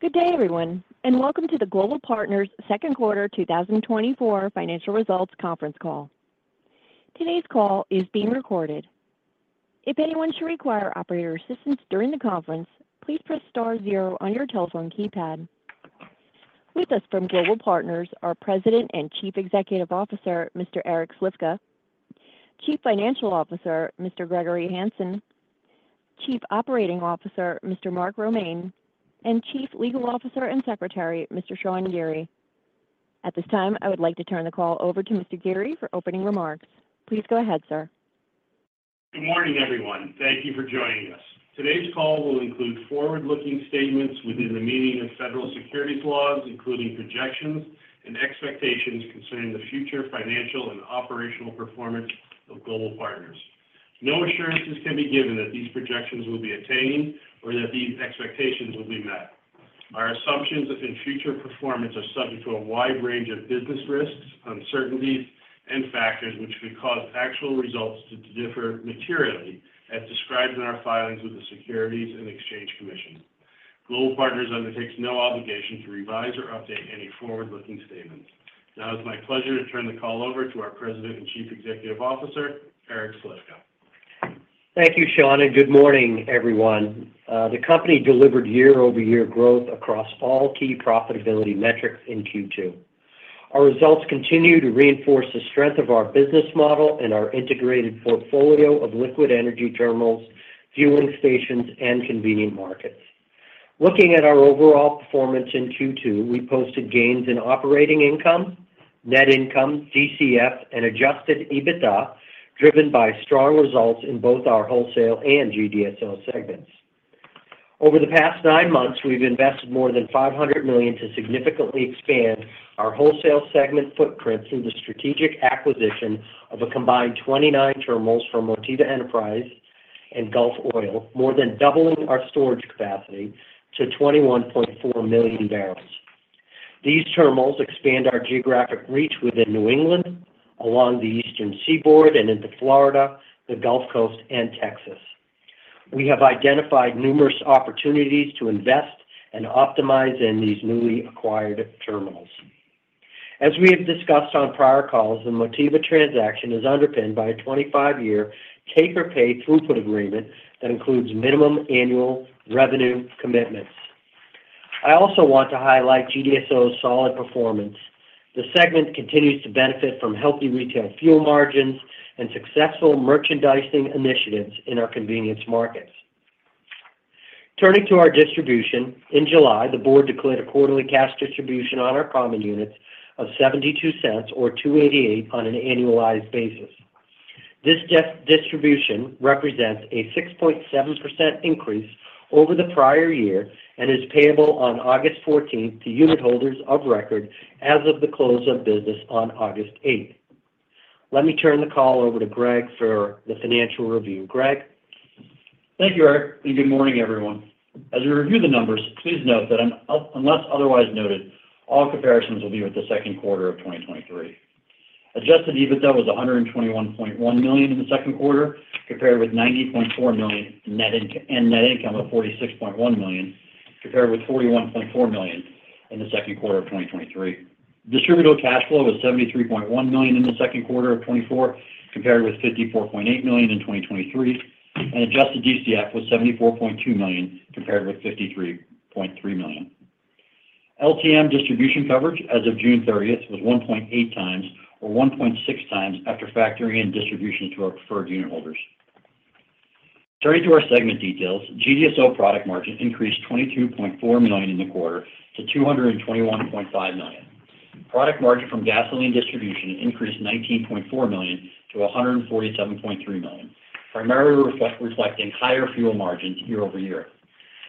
Good day, everyone, and welcome to the Global Partners Second Quarter 2024 Financial Results Conference Call. Today's call is being recorded. If anyone should require operator assistance during the conference, please press star zero on your telephone keypad. With us from Global Partners are President and Chief Executive Officer Mr. Eric Slifka, Chief Financial Officer Mr. Gregory Hanson, Chief Operating Officer Mr. Mark Romaine, and Chief Legal Officer and Secretary Mr. Sean Geary. At this time, I would like to turn the call over to Mr. Geary for opening remarks. Please go ahead, sir. Good morning, everyone. Thank you for joining us. Today's call will include forward-looking statements within the meaning of federal securities laws, including projections and expectations concerning the future financial and operational performance of Global Partners. No assurances can be given that these projections will be attained or that these expectations will be met. Our assumptions and future performance are subject to a wide range of business risks, uncertainties, and factors which could cause actual results to differ materially as described in our filings with the Securities and Exchange Commission. Global Partners undertakes no obligation to revise or update any forward-looking statements. Now, it's my pleasure to turn the call over to our President and Chief Executive Officer, Eric Slifka. Thank you, Sean, and good morning, everyone. The company delivered year-over-year growth across all key profitability metrics in Q2. Our results continue to reinforce the strength of our business model and our integrated portfolio of liquid energy terminals, fueling stations, and convenience markets. Looking at our overall performance in Q2, we posted gains in operating income, net income, DCF, and Adjusted EBITDA, driven by strong results in both our wholesale and GDSO segments. Over the past nine months, we've invested more than $500 million to significantly expand our wholesale segment footprint through the strategic acquisition of a combined 29 terminals from Motiva Enterprises and Gulf Oil, more than doubling our storage capacity to 21.4 million barrels. These terminals expand our geographic reach within New England, along the Eastern Seaboard and into Florida, the Gulf Coast, and Texas. We have identified numerous opportunities to invest and optimize in these newly acquired terminals. As we have discussed on prior calls, the Motiva transaction is underpinned by a 25-year take-or-pay throughput agreement that includes minimum annual revenue commitments. I also want to highlight GDSO's solid performance. The segment continues to benefit from healthy retail fuel margins and successful merchandising initiatives in our convenience markets. Turning to our distribution, in July, the board declared a quarterly cash distribution on our common units of $0.72, or $2.88, on an annualized basis. This distribution represents a 6.7% increase over the prior year and is payable on August 14th to unitholders of record as of the close of business on August 8th. Let me turn the call over to Greg for the financial review. Greg. Thank you, Eric, and good morning, everyone. As we review the numbers, please note that unless otherwise noted, all comparisons will be with the second quarter of 2023. Adjusted EBITDA was $121.1 million in the second quarter, compared with $90.4 million. Net income was $46.1 million, compared with $41.4 million in the second quarter of 2023. Distributable cash flow was $73.1 million in the second quarter of 2024, compared with $54.8 million in 2023, and adjusted DCF was $74.2 million, compared with $53.3 million. LTM distribution coverage as of June 30th was 1.8 times, or 1.6 times, after factoring in distribution to our preferred unitholders. Turning to our segment details, GDSO product margin increased $22.4 million in the quarter to $221.5 million. Product margin from gasoline distribution increased $19.4 million to $147.3 million, primarily reflecting higher fuel margins year-over-year.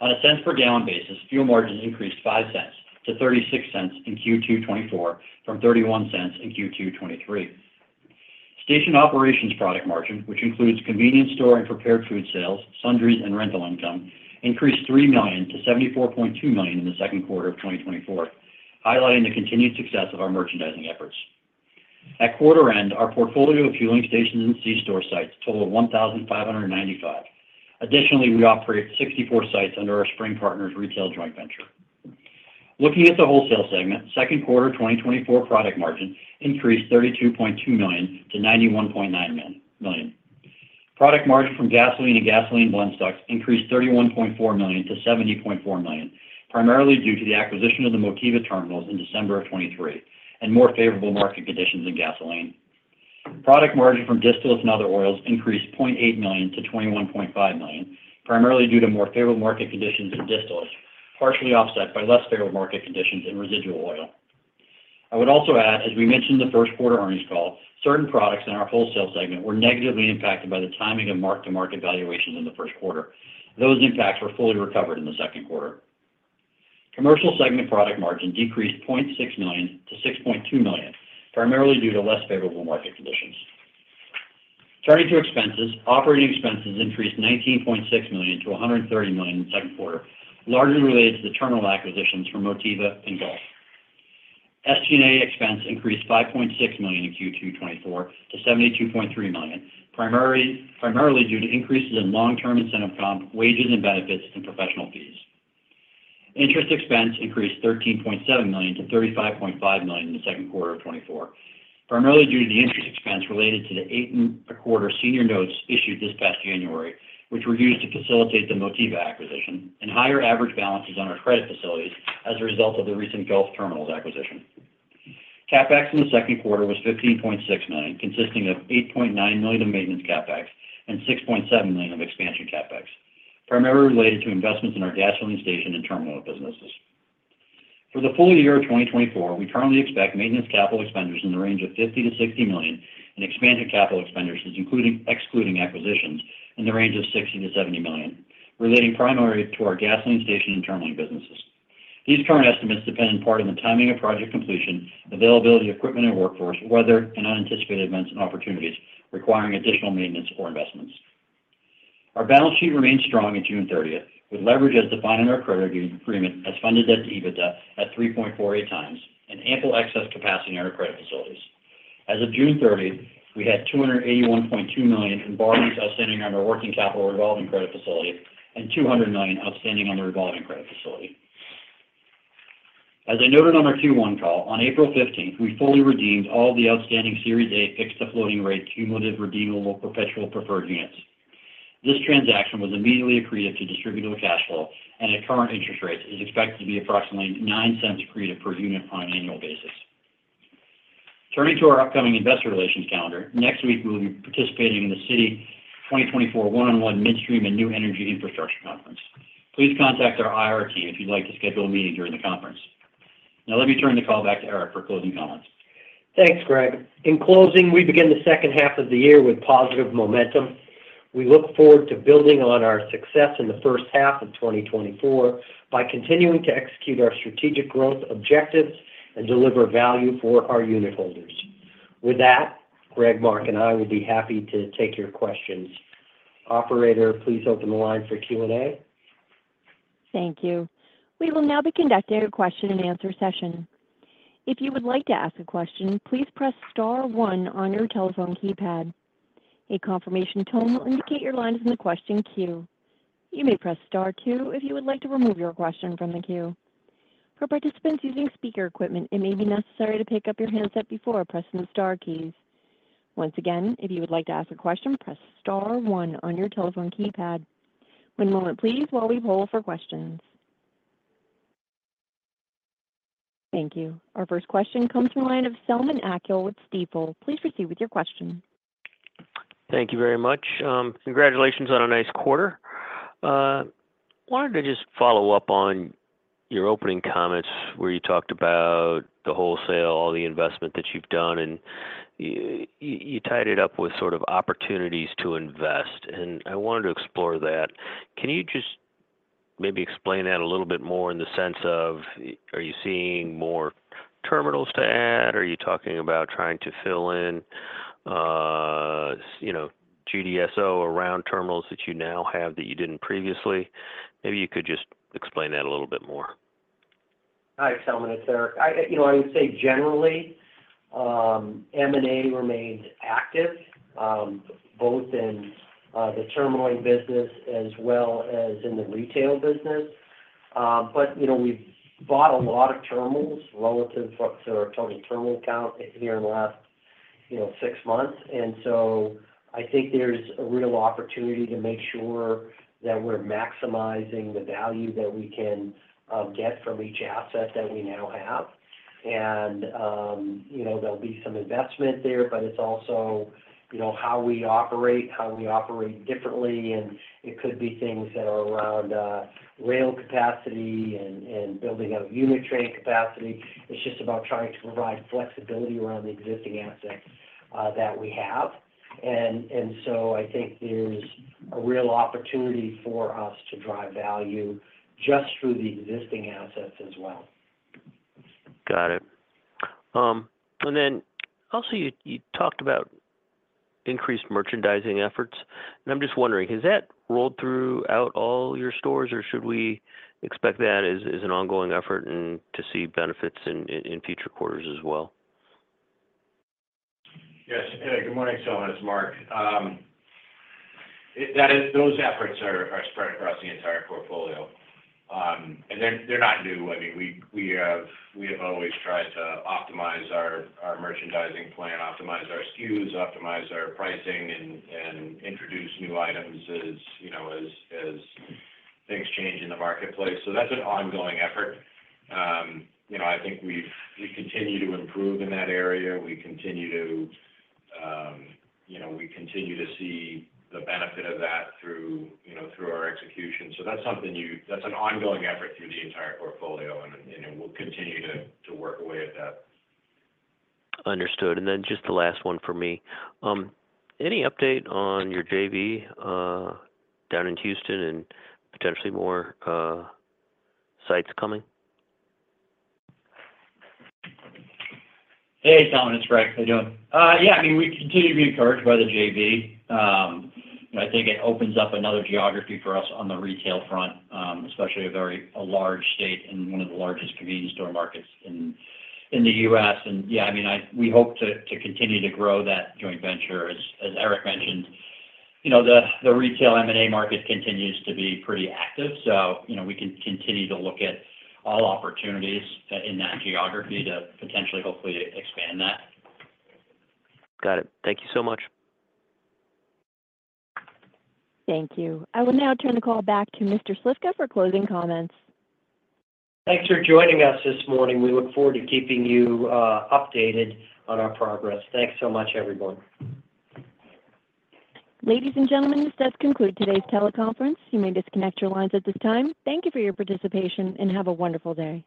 On a cents per gallon basis, fuel margin increased 5 cents to 36 cents in Q2 2024 from 31 cents in Q2 2023. Station operations product margin, which includes convenience store and prepared food sales, sundries, and rental income, increased $3 million to $74.2 million in the second quarter of 2024, highlighting the continued success of our merchandising efforts. At quarter end, our portfolio of fueling stations and C-store sites totaled 1,595. Additionally, we operate 64 sites under our Spring Partners retail joint venture. Looking at the wholesale segment, second quarter 2024 product margin increased $32.2 million to $91.9 million. Product margin from gasoline and gasoline blend stocks increased $31.4 million to $70.4 million, primarily due to the acquisition of the Motiva terminals in December of 2023 and more favorable market conditions in gasoline. Product margin from distillates and other oils increased $0.8 million to $21.5 million, primarily due to more favorable market conditions in distillates, partially offset by less favorable market conditions in residual oil. I would also add, as we mentioned in the first quarter earnings call, certain products in our wholesale segment were negatively impacted by the timing of mark-to-market valuations in the first quarter. Those impacts were fully recovered in the second quarter. Commercial segment product margin decreased $0.6 million to $6.2 million, primarily due to less favorable market conditions. Turning to expenses, operating expenses increased $19.6 million to $130 million in the second quarter, largely related to the terminal acquisitions from Motiva and Gulf. SG&A expense increased $5.6 million in Q2 2024 to $72.3 million, primarily due to increases in long-term incentive comp, wages and benefits, and professional fees. Interest expense increased $13.7 million to $35.5 million in the second quarter of 2024, primarily due to the interest expense related to the 8.25% Senior Notes issued this past January, which were used to facilitate the Motiva acquisition and higher average balances on our credit facilities as a result of the recent Gulf terminals acquisition. Capex in the second quarter was $15.6 million, consisting of $8.9 million of maintenance Capex and $6.7 million of expansion Capex, primarily related to investments in our gasoline station and terminal businesses. For the full year of 2024, we currently expect maintenance capital expenditures in the range of $50 million-$60 million in expansion capital expenditures, excluding acquisitions, in the range of $60 million-$70 million, relating primarily to our gasoline station and terminal businesses. These current estimates depend in part on the timing of project completion, availability of equipment and workforce, weather, and unanticipated events and opportunities requiring additional maintenance or investments. Our balance sheet remains strong at June 30th, with leverage as defined in our credit agreement as funded debt to EBITDA at 3.48 times and ample excess capacity in our credit facilities. As of June 30th, we had $281.2 million in borrowings outstanding on our Working Capital Revolving Credit Facility and $200 million outstanding on the revolving credit facility. As I noted on our Q1 call, on April 15th, we fully redeemed all of the outstanding Series A Fixed to Floating Rate Cumulative Redeemable Perpetual Preferred Units. This transaction was immediately accretive to distributable cash flow, and at current interest rates, it is expected to be approximately $0.09 accretive per unit on an annual basis. Turning to our upcoming investor relations calendar, next week we will be participating in the Citi 2024 One-on-One Midstream and New Energy Infrastructure Conference. Please contact our IR team if you'd like to schedule a meeting during the conference. Now, let me turn the call back to Eric for closing comments. Thanks, Greg. In closing, we begin the second half of the year with positive momentum. We look forward to building on our success in the first half of 2024 by continuing to execute our strategic growth objectives and deliver value for our unitholders. With that, Greg, Mark, and I will be happy to take your questions. Operator, please open the line for Q&A. Thank you. We will now be conducting a question-and-answer session. If you would like to ask a question, please press star one on your telephone keypad. A confirmation tone will indicate your line is in the question queue. You may press star two if you would like to remove your question from the queue. For participants using speaker equipment, it may be necessary to pick up your handset before pressing the star keys. Once again, if you would like to ask a question, press star one on your telephone keypad. One moment, please, while we poll for questions. Thank you. Our first question comes from the line of Selman Akyol with Stifel. Please proceed with your question. Thank you very much. Congratulations on a nice quarter. I wanted to just follow up on your opening comments where you talked about the wholesale, all the investment that you've done, and you tied it up with sort of opportunities to invest. I wanted to explore that. Can you just maybe explain that a little bit more in the sense of, are you seeing more terminals to add? Are you talking about trying to fill in GDSO around terminals that you now have that you didn't previously? Maybe you could just explain that a little bit more. Hi, Selman. It's Eric. I would say, generally, M&A remains active, both in the terminal business as well as in the retail business. But we've bought a lot of terminals relative to our total terminal count here in the last six months. And so I think there's a real opportunity to make sure that we're maximizing the value that we can get from each asset that we now have. And there'll be some investment there, but it's also how we operate, how we operate differently, and it could be things that are around rail capacity and building out unit train capacity. It's just about trying to provide flexibility around the existing assets that we have. And so I think there's a real opportunity for us to drive value just through the existing assets as well. Got it. And then also, you talked about increased merchandising efforts. And I'm just wondering, has that rolled out throughout all your stores, or should we expect that as an ongoing effort and to see benefits in future quarters as well? Yes. Good morning, Selman. It's Mark. Those efforts are spread across the entire portfolio, and they're not new. I mean, we have always tried to optimize our merchandising plan, optimize our SKUs, optimize our pricing, and introduce new items as things change in the marketplace. So that's an ongoing effort. I think we continue to improve in that area. We continue to see the benefit of that through our execution. So that's something that's an ongoing effort through the entire portfolio, and we'll continue to work away at that. Understood. And then just the last one for me. Any update on your JV down in Houston and potentially more sites coming? Hey, Selman. It's Greg. How are you doing? Yeah. I mean, we continue to be encouraged by the JV. I think it opens up another geography for us on the retail front, especially a large state and one of the largest convenience store markets in the U.S. And yeah, I mean, we hope to continue to grow that joint venture. As Eric mentioned, the retail M&A market continues to be pretty active, so we can continue to look at all opportunities in that geography to potentially, hopefully, expand that. Got it. Thank you so much. Thank you. I will now turn the call back to Mr. Slifka for closing comments. Thanks for joining us this morning. We look forward to keeping you updated on our progress. Thanks so much, everyone. Ladies and gentlemen, this does conclude today's teleconference. You may disconnect your lines at this time. Thank you for your participation and have a wonderful day.